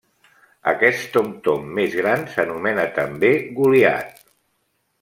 Aquest tom-tom més gran s'anomena també goliat.